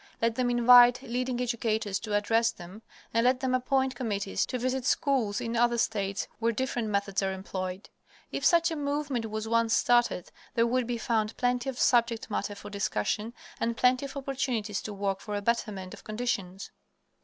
Let them invite leading educators to address them, and let them appoint committees to visit schools in other states where different methods are employed. If such a movement was once started there would be found plenty of subject matter for discussion, and plenty of opportunities to work for a betterment of conditions.